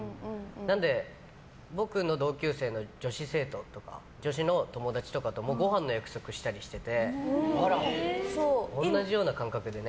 なので、僕の同級生の女子生徒とか女子の友達とかともごはんの約束したりしてて同じような感覚でね。